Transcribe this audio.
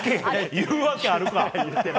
言うわけあるか。